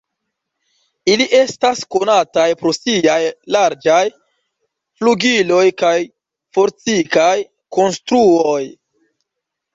Ili estas konataj pro siaj larĝaj flugiloj kaj fortikaj konstruoj.